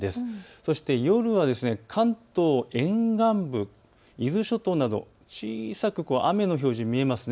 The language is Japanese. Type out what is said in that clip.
そして夜は関東沿岸部、伊豆諸島など小さく雨の表示が見えます。